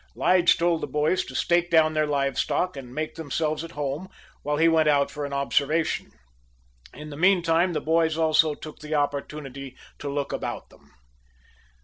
Lige told the boys to stake down their live stock and make themselves at home while he went out for an observation. In the meantime the boys also took the opportunity to look about them.